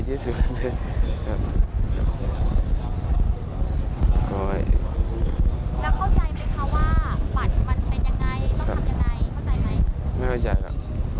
ไม่เข้าใจครับ